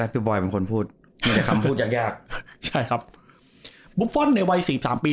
พี่บอยเป็นคนพูดพูดยากใช่ครับบุฟฟอลในวัย๔๓ปี